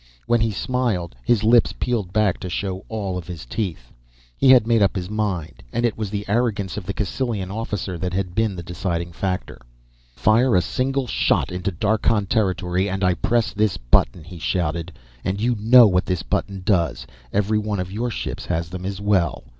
When he smiled his lips peeled back to show all of his teeth. He had made up his mind, and it was the arrogance of the Cassylian officer that had been the deciding factor. "Fire a single shot into Darkhan territory and I press this button," he shouted. "And you know what this button does every one of your ships has them as well.